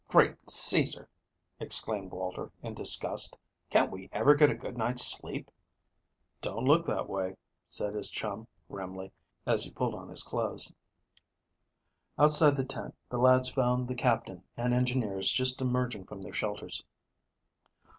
"Great Cæsar," exclaimed Walter, in disgust. "Can't we ever get a good night's sleep?" "Don't look that way," said his chum grimly, as he pulled on his clothes. Outside the tent the lads found the Captain and engineers just emerging from their shelters.